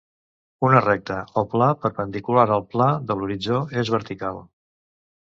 Una recta o pla perpendicular al pla de l'horitzó és vertical.